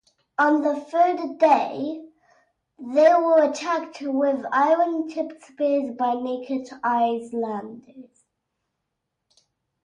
On the third day, they were attacked with iron-tipped spears by naked islanders.